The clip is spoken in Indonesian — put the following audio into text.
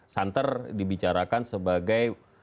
santer dibicarakan sebagai